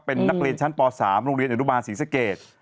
เป็นนักเรียนชั้นป๓โรงเรียนอนุบาลศรีสเกต